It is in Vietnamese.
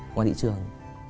ngoài thị trường